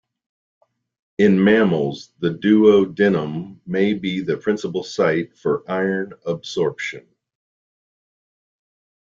In mammals the duodenum may be the principal site for iron absorption.